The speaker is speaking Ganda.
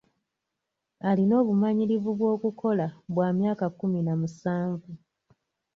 Alina obumanyirivu bw'okukola bwa myaka kkumi na musanvu.